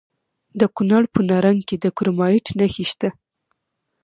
د کونړ په نرنګ کې د کرومایټ نښې شته.